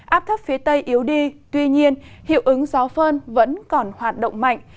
áp thấp phía tây yếu đi tuy nhiên hiệu ứng gió phơn vẫn còn hoạt động mạnh